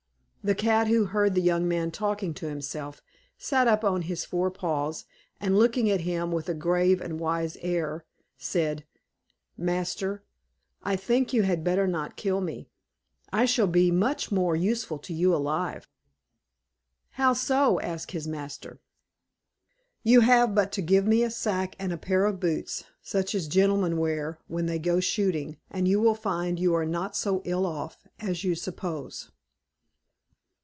The cat, who heard the young man talking to himself, sat up on his four paws, and looking at him with a grave and wise air, said, "Master, I think you had better not kill me; I shall be much more useful to you alive." "How so?" asked his master. "You have but to give me a sack, and a pair of boots such as gentlemen wear when they go shooting, and you will find you are not so ill off as you suppose."